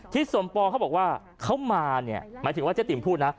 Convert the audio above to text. สมปองเขาบอกว่าเขามาเนี่ยหมายถึงว่าเจ๊ติ๋มพูดนะ